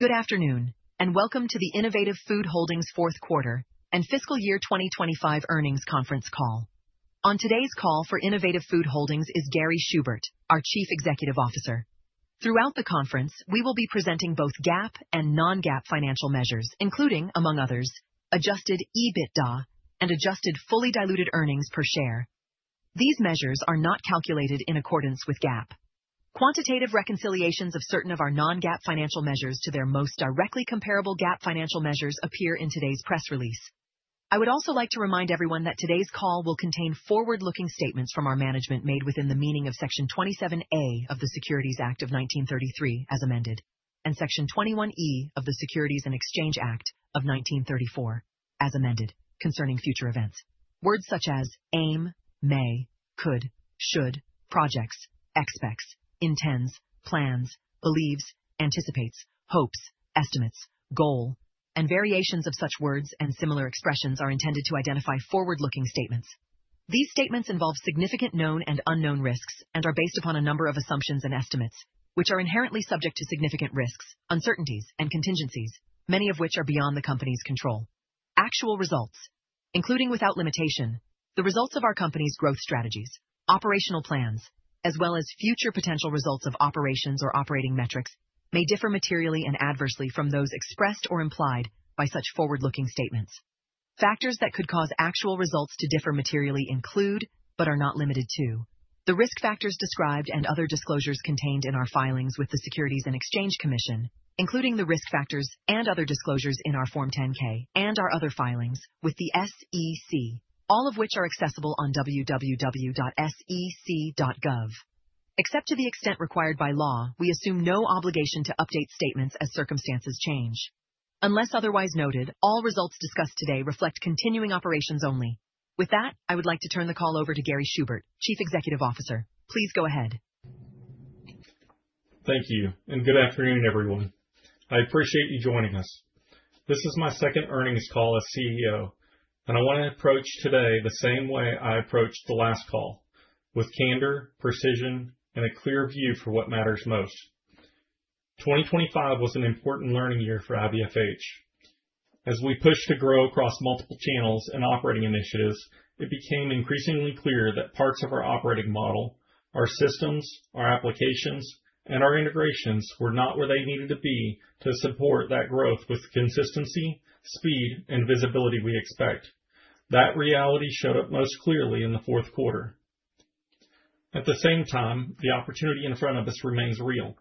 Good afternoon, and welcome to the Innovative Food Holdings Fourth Quarter and Fiscal Year 2025 Earnings Conference Call. On today's call for Innovative Food Holdings is Gary Schubert, our Chief Executive Officer. Throughout the conference, we will be presenting both GAAP and non-GAAP financial measures, including among others, adjusted EBITDA and adjusted fully diluted earnings per share. These measures are not calculated in accordance with GAAP. Quantitative reconciliations of certain of our non-GAAP financial measures to their most directly comparable GAAP financial measures appear in today's press release. I would also like to remind everyone that today's call will contain forward-looking statements from our management made within the meaning of Section 27A of the Securities Act of 1933 as amended, and Section 21E of the Securities Exchange Act of 1934 as amended concerning future events. Words such as aim, may, could, should, projects, expects, intends, plans, believes, anticipates, hopes, estimates, goal, and variations of such words and similar expressions are intended to identify forward-looking statements. These statements involve significant known and unknown risks and are based upon a number of assumptions and estimates, which are inherently subject to significant risks, uncertainties, and contingencies, many of which are beyond the company's control. Actual results, including without limitation, the results of our company's growth strategies, operational plans, as well as future potential results of operations or operating metrics, may differ materially and adversely from those expressed or implied by such forward-looking statements. Factors that could cause actual results to differ materially include, but are not limited to, the risk factors described and other disclosures contained in our filings with the Securities and Exchange Commission, including the risk factors and other disclosures in our Form 10-K and our other filings with the SEC, all of which are accessible on www.sec.gov. Except to the extent required by law, we assume no obligation to update statements as circumstances change. Unless otherwise noted, all results discussed today reflect continuing operations only. With that, I would like to turn the call over to Gary Schubert, Chief Executive Officer. Please go ahead. Thank you, and good afternoon, everyone. I appreciate you joining us. This is my second earnings call as CEO, and I wanna approach today the same way I approached the last call, with candor, precision, and a clear view for what matters most. 2025 was an important learning year for IVFH. As we pushed to grow across multiple channels and operating initiatives, it became increasingly clear that parts of our operating model, our systems, our applications, and our integrations were not where they needed to be to support that growth with consistency, speed, and visibility we expect. That reality showed up most clearly in the fourth quarter. At the same time, the opportunity in front of us remains real.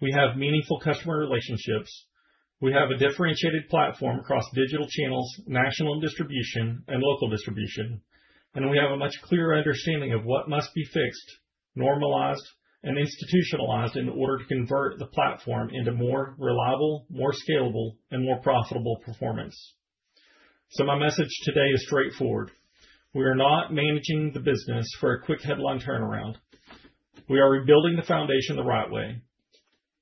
We have meaningful customer relationships. We have a differentiated platform across digital channels, national distribution and local distribution, and we have a much clearer understanding of what must be fixed, normalized, and institutionalized in order to convert the platform into more reliable, more scalable, and more profitable performance. My message today is straightforward. We are not managing the business for a quick headline turnaround. We are rebuilding the foundation the right way.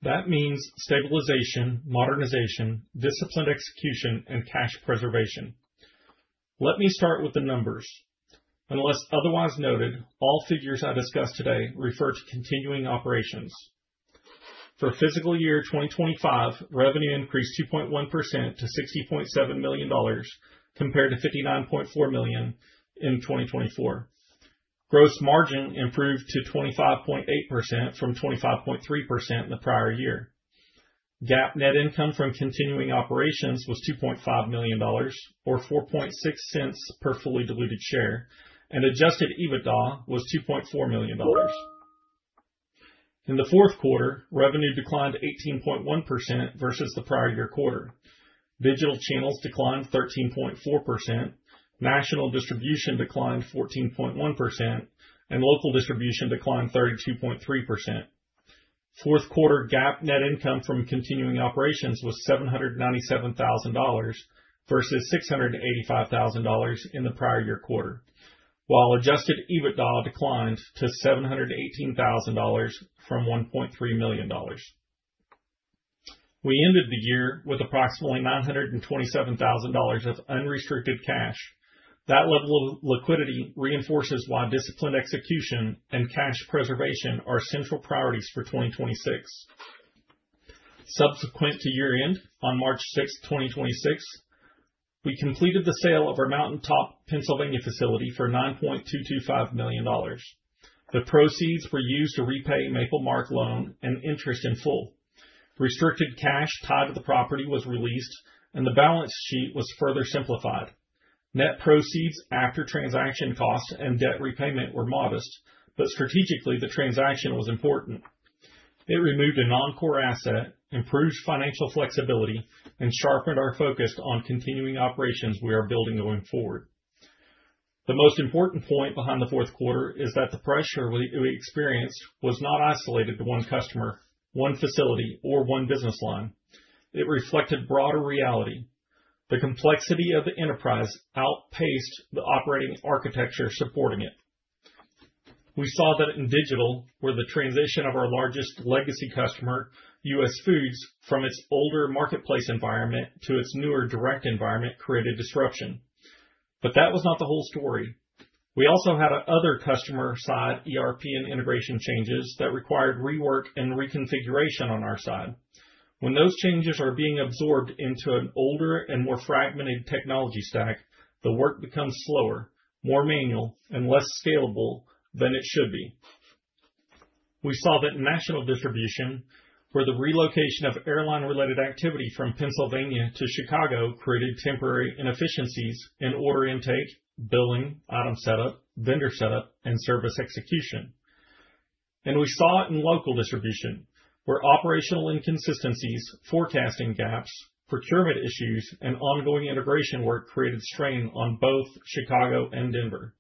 That means stabilization, modernization, disciplined execution, and cash preservation. Let me start with the numbers. Unless otherwise noted, all figures I discuss today refer to continuing operations. For fiscal year 2025, revenue increased 2.1% to $60.7 million compared to $59.4 million in 2024. Gross margin improved to 25.8% from 25.3% in the prior year. GAAP net income from continuing operations was $2.5 million or 4.6 cents per fully diluted share, and adjusted EBITDA was $2.4 million. In the fourth quarter, revenue declined 18.1% versus the prior year quarter. Digital channels declined 13.4%, national distribution declined 14.1%, and local distribution declined 32.3%. Fourth quarter GAAP net income from continuing operations was $797,000 versus $685,000 in the prior year quarter, while adjusted EBITDA declined to $718,000 from $1.3 million. We ended the year with approximately $927,000 of unrestricted cash. That level of liquidity reinforces why disciplined execution and cash preservation are central priorities for 2026. Subsequent to year-end, on March 6, 2026, we completed the sale of our Mountaintop Pennsylvania facility for $9.225 million. The proceeds were used to repay MapleMark loan and interest in full. Restricted cash tied to the property was released and the balance sheet was further simplified. Net proceeds after transaction costs and debt repayment were modest, but strategically the transaction was important. It removed a non-core asset, improved financial flexibility, and sharpened our focus on continuing operations we are building going forward. The most important point behind the fourth quarter is that the pressure we experienced was not isolated to one customer, one facility, or one business line. It reflected broader reality. The complexity of the enterprise outpaced the operating architecture supporting it. We saw that in digital, where the transition of our largest legacy customer, US Foods, from its older marketplace environment to its newer direct environment created disruption. That was not the whole story. We also had other customer side ERP and integration changes that required rework and reconfiguration on our side. When those changes are being absorbed into an older and more fragmented technology stack, the work becomes slower, more manual, and less scalable than it should be. We saw that in national distribution where the relocation of airline-related activity from Pennsylvania to Chicago created temporary inefficiencies in order intake, billing, item setup, vendor setup, and service execution. We saw it in local distribution where operational inconsistencies, forecasting gaps, procurement issues, and ongoing integration work created strain on both Chicago and Denver.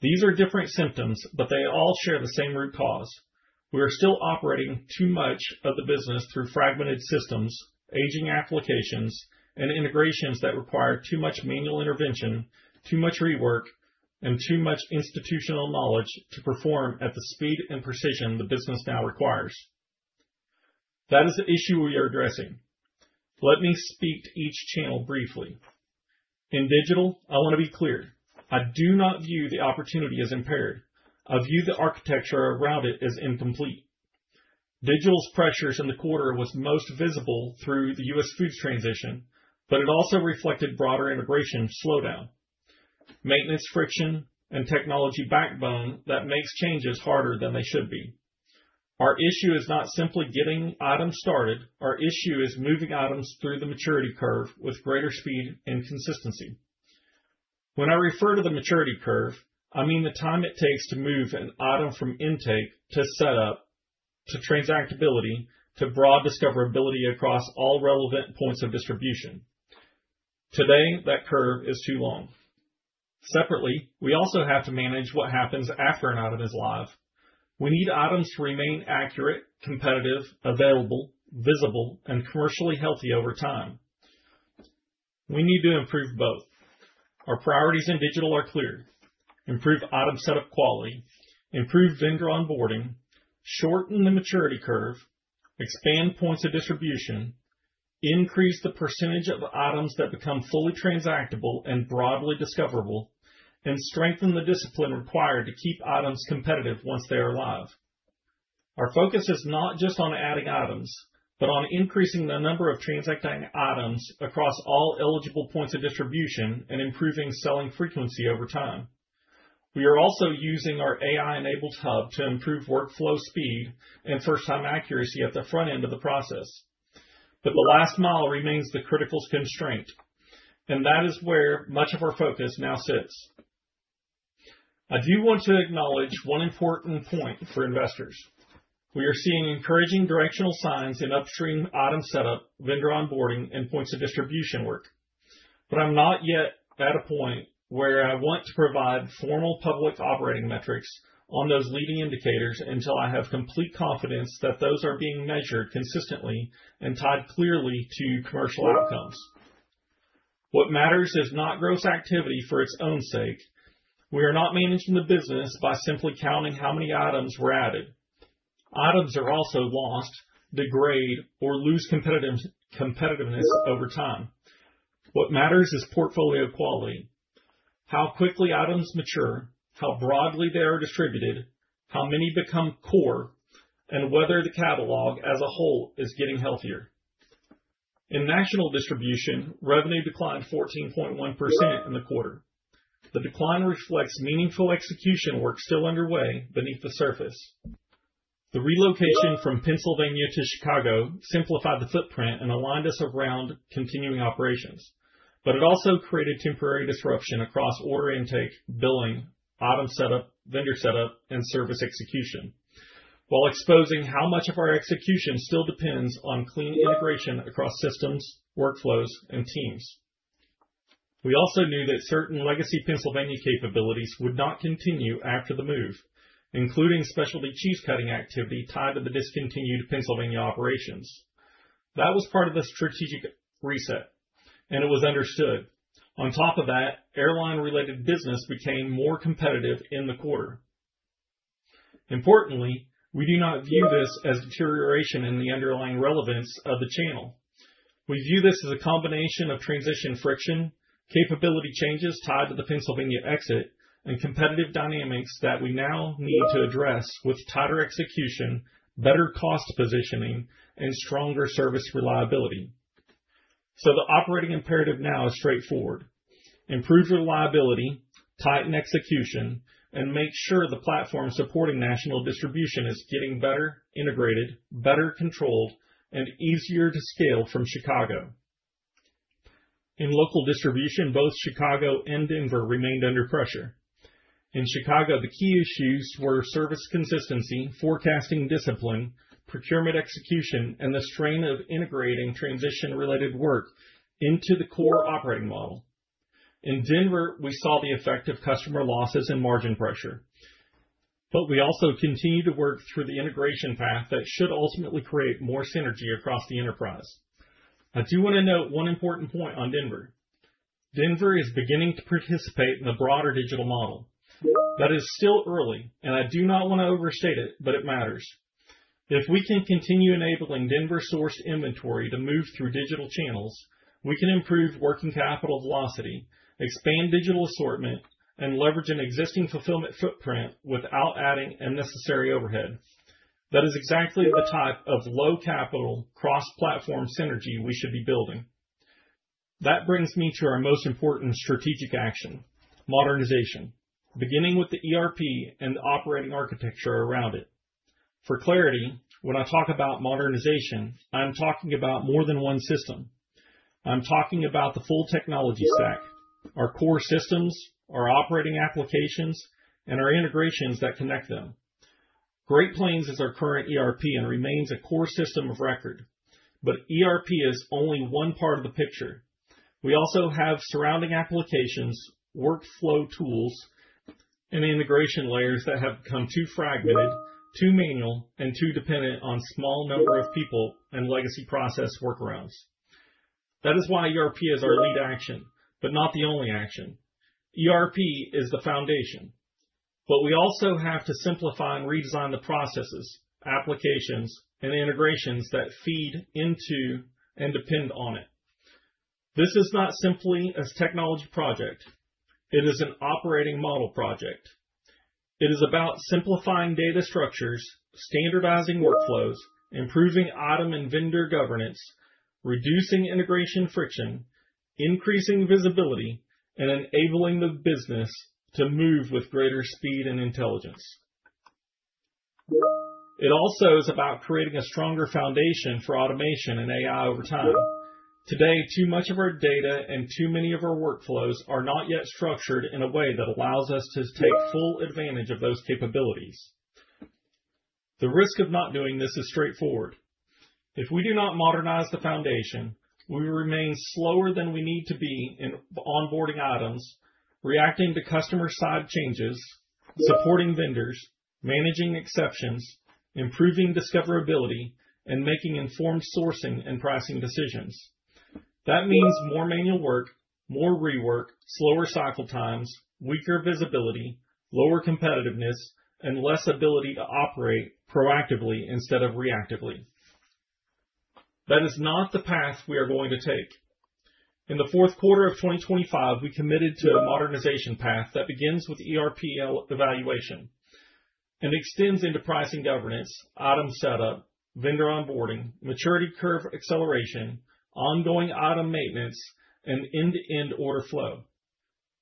These are different symptoms, but they all share the same root cause. We are still operating too much of the business through fragmented systems, aging applications, and integrations that require too much manual intervention, too much rework, and too much institutional knowledge to perform at the speed and precision the business now requires. That is the issue we are addressing. Let me speak to each channel briefly. In digital, I want to be clear. I do not view the opportunity as impaired. I view the architecture around it as incomplete. Digital's pressures in the quarter was most visible through the US Foods transition, but it also reflected broader integration slowdown, maintenance friction, and technology backbone that makes changes harder than they should be. Our issue is not simply getting items started. Our issue is moving items through the maturity curve with greater speed and consistency. When I refer to the maturity curve, I mean the time it takes to move an item from intake to setup to transactability to broad discoverability across all relevant points of distribution. Today, that curve is too long. Separately, we also have to manage what happens after an item is live. We need items to remain accurate, competitive, available, visible, and commercially healthy over time. We need to improve both. Our priorities in digital are clear. Improve item setup quality, improve vendor onboarding, shorten the maturity curve, expand points of distribution, increase the percentage of items that become fully transactable and broadly discoverable, and strengthen the discipline required to keep items competitive once they are live. Our focus is not just on adding items, but on increasing the number of transacting items across all eligible points of distribution and improving selling frequency over time. We are also using our AI-enabled hub to improve workflow speed and first-time accuracy at the front end of the process. The last mile remains the critical constraint, and that is where much of our focus now sits. I do want to acknowledge one important point for investors. We are seeing encouraging directional signs in upstream item setup, vendor onboarding, and points of distribution work. I'm not yet at a point where I want to provide formal public operating metrics on those leading indicators until I have complete confidence that those are being measured consistently and tied clearly to commercial outcomes. What matters is not gross activity for its own sake. We are not managing the business by simply counting how many items were added. Items are also lost, degrade, or lose competitiveness over time. What matters is portfolio quality, how quickly items mature, how broadly they are distributed, how many become core, and whether the catalog as a whole is getting healthier. In national distribution, revenue declined 14.1% in the quarter. The decline reflects meaningful execution work still underway beneath the surface. The relocation from Pennsylvania to Chicago simplified the footprint and aligned us around continuing operations. It also created temporary disruption across order intake, billing, item setup, vendor setup, and service execution, while exposing how much of our execution still depends on clean integration across systems, workflows, and teams. We also knew that certain legacy Pennsylvania capabilities would not continue after the move, including specialty cheese cutting activity tied to the discontinued Pennsylvania operations. That was part of the strategic reset, and it was understood. On top of that, airline-related business became more competitive in the quarter. Importantly, we do not view this as deterioration in the underlying relevance of the channel. We view this as a combination of transition friction, capability changes tied to the Pennsylvania exit, and competitive dynamics that we now need to address with tighter execution, better cost positioning, and stronger service reliability. The operating imperative now is straightforward. Improve reliability, tighten execution, and make sure the platform supporting national distribution is getting better integrated, better controlled, and easier to scale from Chicago. In local distribution, both Chicago and Denver remained under pressure. In Chicago, the key issues were service consistency, forecasting discipline, procurement execution, and the strain of integrating transition-related work into the core operating model. In Denver, we saw the effect of customer losses and margin pressure. We also continue to work through the integration path that should ultimately create more synergy across the enterprise. I do want to note one important point on Denver. Denver is beginning to participate in the broader digital model. That is still early, and I do not want to overstate it, but it matters. If we can continue enabling Denver-sourced inventory to move through digital channels, we can improve working capital velocity, expand digital assortment, and leverage an existing fulfillment footprint without adding unnecessary overhead. That is exactly the type of low capital cross-platform synergy we should be building. That brings me to our most important strategic action, modernization, beginning with the ERP and the operating architecture around it. For clarity, when I talk about modernization, I'm talking about more than one system. I'm talking about the full technology stack, our core systems, our operating applications, and our integrations that connect them. Great Plains is our current ERP and remains a core system of record, but ERP is only one part of the picture. We also have surrounding applications, workflow tools, and integration layers that have become too fragmented, too manual, and too dependent on small number of people and legacy process workarounds. That is why ERP is our lead action, but not the only action. ERP is the foundation, but we also have to simplify and redesign the processes, applications, and integrations that feed into and depend on it. This is not simply a technology project. It is an operating model project. It is about simplifying data structures, standardizing workflows, improving item and vendor governance, reducing integration friction, increasing visibility, and enabling the business to move with greater speed and intelligence. It also is about creating a stronger foundation for automation and AI over time. Today, too much of our data and too many of our workflows are not yet structured in a way that allows us to take full advantage of those capabilities. The risk of not doing this is straightforward. If we do not modernize the foundation, we remain slower than we need to be in onboarding items, reacting to customer side changes, supporting vendors, managing exceptions, improving discoverability, and making informed sourcing and pricing decisions. That means more manual work, more rework, slower cycle times, weaker visibility, lower competitiveness, and less ability to operate proactively instead of reactively. That is not the path we are going to take. In the fourth quarter of 2025, we committed to a modernization path that begins with ERP evaluation and extends into pricing governance, item setup, vendor onboarding, maturity curve acceleration, ongoing item maintenance, and end-to-end order flow.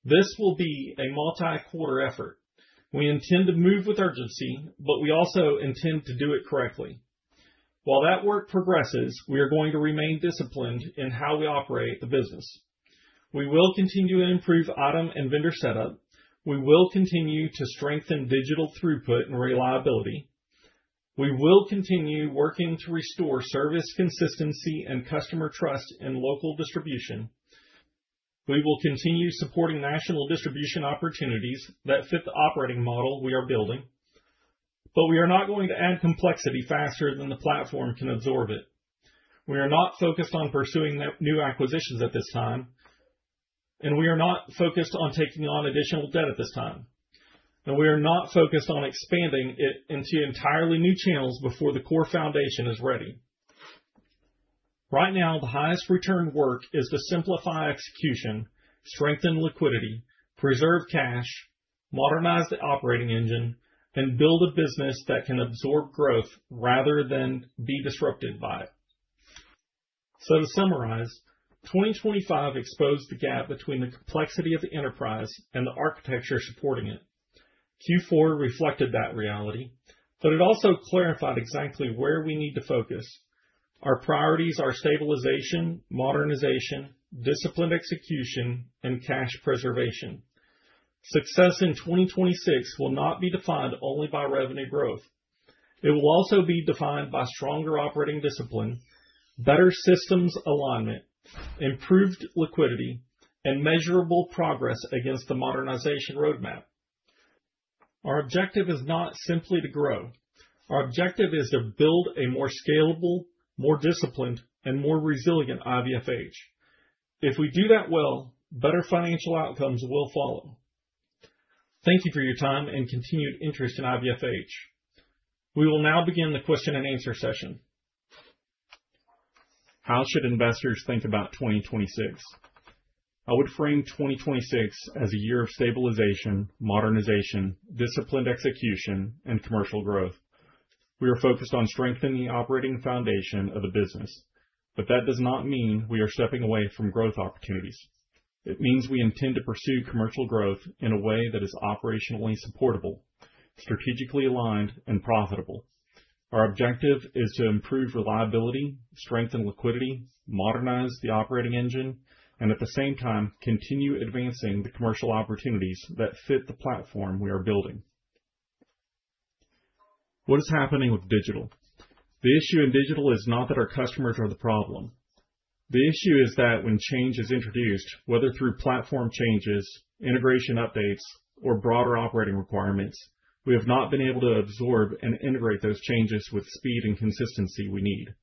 This will be a multi-quarter effort. We intend to move with urgency, but we also intend to do it correctly. While that work progresses, we are going to remain disciplined in how we operate the business. We will continue to improve item and vendor setup. We will continue to strengthen digital throughput and reliability. We will continue working to restore service consistency and customer trust in local distribution. We will continue supporting national distribution opportunities that fit the operating model we are building. We are not going to add complexity faster than the platform can absorb it. We are not focused on pursuing new acquisitions at this time, and we are not focused on taking on additional debt at this time. We are not focused on expanding it into entirely new channels before the core foundation is ready. Right now, the highest return work is to simplify execution, strengthen liquidity, preserve cash, modernize the operating engine, and build a business that can absorb growth rather than be disrupted by it. To summarize, 2025 exposed the gap between the complexity of the enterprise and the architecture supporting it. Q4 reflected that reality, but it also clarified exactly where we need to focus. Our priorities are stabilization, modernization, disciplined execution, and cash preservation. Success in 2026 will not be defined only by revenue growth. It will also be defined by stronger operating discipline, better systems alignment, improved liquidity, and measurable progress against the modernization roadmap. Our objective is not simply to grow. Our objective is to build a more scalable, more disciplined, and more resilient IVFH. If we do that well, better financial outcomes will follow. Thank you for your time and continued interest in IVFH. We will now begin the question and answer session. How should investors think about 2026? I would frame 2026 as a year of stabilization, modernization, disciplined execution, and commercial growth. We are focused on strengthening the operating foundation of the business, but that does not mean we are stepping away from growth opportunities. It means we intend to pursue commercial growth in a way that is operationally supportable, strategically aligned, and profitable. Our objective is to improve reliability, strengthen liquidity, modernize the operating engine, and at the same time, continue advancing the commercial opportunities that fit the platform we are building. What is happening with digital? The issue in digital is not that our customers are the problem. The issue is that when change is introduced, whether through platform changes, integration updates, or broader operating requirements, we have not been able to absorb and integrate those changes with speed and consistency we need.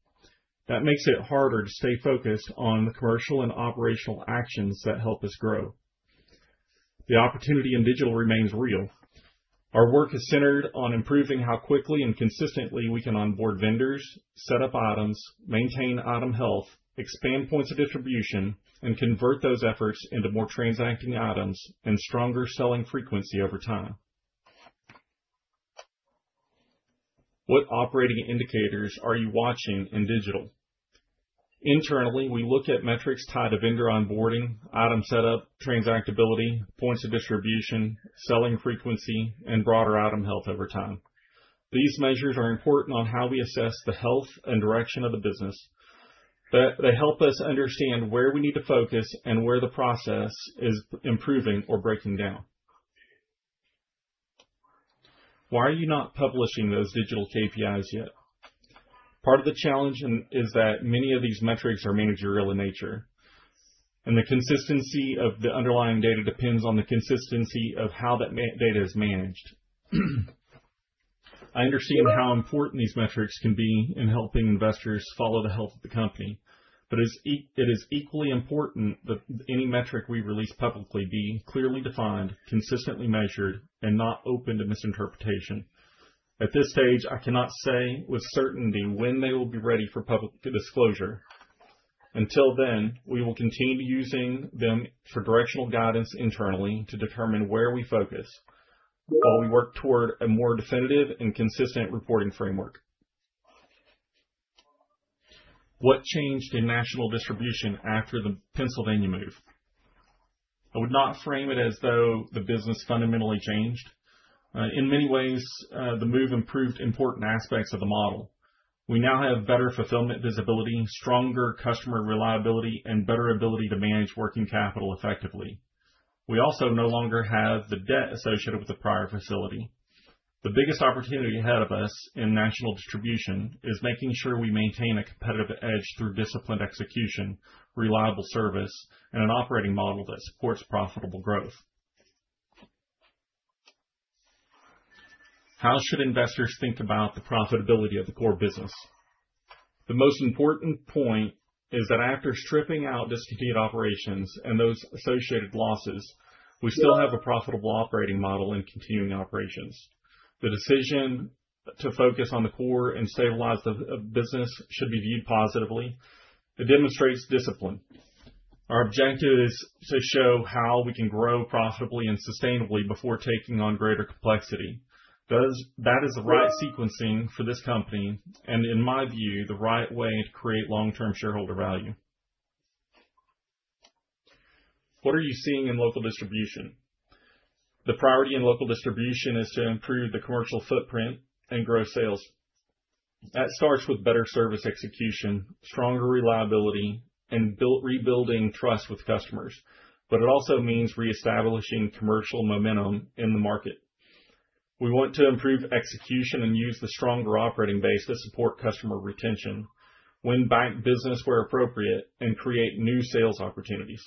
That makes it harder to stay focused on the commercial and operational actions that help us grow. The opportunity in digital remains real. Our work is centered on improving how quickly and consistently we can onboard vendors, set up items, maintain item health, expand points of distribution, and convert those efforts into more transacting items and stronger selling frequency over time. What operating indicators are you watching in digital? Internally, we look at metrics tied to vendor onboarding, item setup, transactability, points of distribution, selling frequency, and broader item health over time. These measures are important in how we assess the health and direction of the business. They help us understand where we need to focus and where the process is improving or breaking down. Why are you not publishing those digital KPIs yet? Part of the challenge is that many of these metrics are managerial in nature, and the consistency of the underlying data depends on the consistency of how that data is managed. I understand how important these metrics can be in helping investors follow the health of the company, but it is equally important that any metric we release publicly be clearly defined, consistently measured, and not open to misinterpretation. At this stage, I cannot say with certainty when they will be ready for public disclosure. Until then, we will continue using them for directional guidance internally to determine where we focus while we work toward a more definitive and consistent reporting framework. What changed in national distribution after the Pennsylvania move? I would not frame it as though the business fundamentally changed. In many ways, the move improved important aspects of the model. We now have better fulfillment visibility, stronger customer reliability, and better ability to manage working capital effectively. We also no longer have the debt associated with the prior facility. The biggest opportunity ahead of us in national distribution is making sure we maintain a competitive edge through disciplined execution, reliable service, and an operating model that supports profitable growth. How should investors think about the profitability of the core business? The most important point is that after stripping out discontinued operations and those associated losses, we still have a profitable operating model in continuing operations. The decision to focus on the core and stabilize the business should be viewed positively. It demonstrates discipline. Our objective is to show how we can grow profitably and sustainably before taking on greater complexity. That is the right sequencing for this company and, in my view, the right way to create long-term shareholder value. What are you seeing in local distribution? The priority in local distribution is to improve the commercial footprint and grow sales. That starts with better service execution, stronger reliability, and rebuilding trust with customers. It also means reestablishing commercial momentum in the market. We want to improve execution and use the stronger operating base to support customer retention, win back business where appropriate, and create new sales opportunities.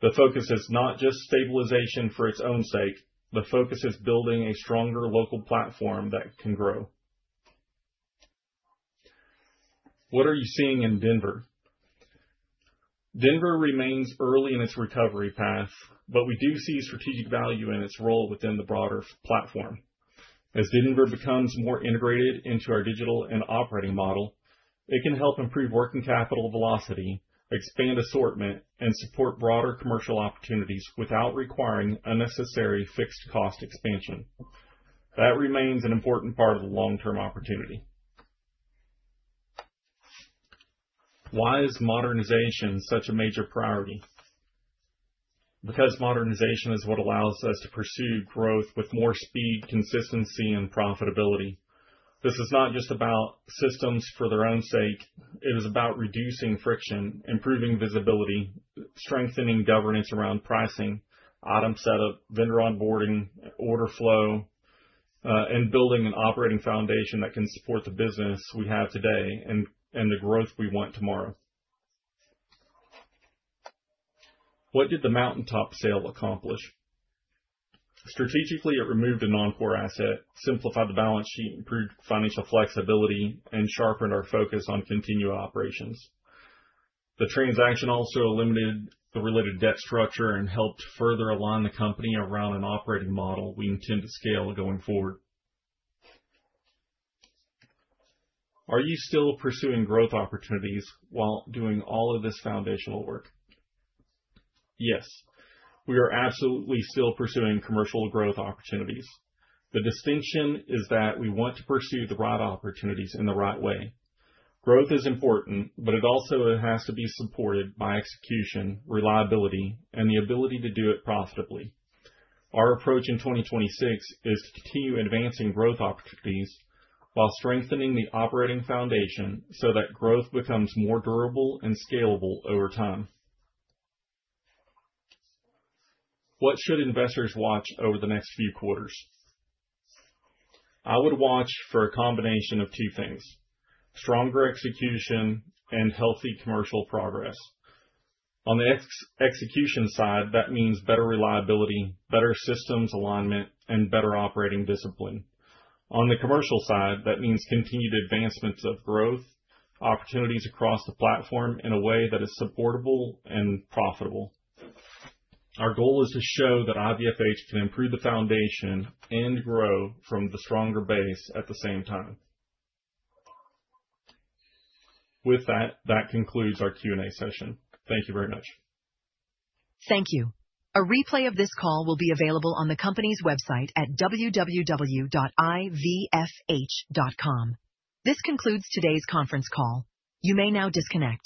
The focus is not just stabilization for its own sake. The focus is building a stronger local platform that can grow. What are you seeing in Denver? Denver remains early in its recovery path, but we do see strategic value in its role within the broader platform. As Denver becomes more integrated into our digital and operating model, it can help improve working capital velocity, expand assortment, and support broader commercial opportunities without requiring unnecessary fixed cost expansion. That remains an important part of the long-term opportunity. Why is modernization such a major priority? Because modernization is what allows us to pursue growth with more speed, consistency, and profitability. This is not just about systems for their own sake. It is about reducing friction, improving visibility, strengthening governance around pricing, item setup, vendor onboarding, order flow, and building an operating foundation that can support the business we have today and the growth we want tomorrow. What did the Mountaintop sale accomplish? Strategically, it removed a non-core asset, simplified the balance sheet, improved financial flexibility, and sharpened our focus on continuing operations. The transaction also eliminated the related debt structure and helped further align the company around an operating model we intend to scale going forward. Are you still pursuing growth opportunities while doing all of this foundational work? Yes, we are absolutely still pursuing commercial growth opportunities. The distinction is that we want to pursue the right opportunities in the right way. Growth is important, but it also has to be supported by execution, reliability, and the ability to do it profitably. Our approach in 2026 is to continue advancing growth opportunities while strengthening the operating foundation so that growth becomes more durable and scalable over time. What should investors watch over the next few quarters? I would watch for a combination of two things, stronger execution and healthy commercial progress. On the execution side, that means better reliability, better systems alignment, and better operating discipline. On the commercial side, that means continued advancements of growth, opportunities across the platform in a way that is supportable and profitable. Our goal is to show that IVFH can improve the foundation and grow from the stronger base at the same time. With that, concludes our Q&A session. Thank you very much. Thank you. A replay of this call will be available on the company's website at www.ivfh.com. This concludes today's conference call. You may now disconnect.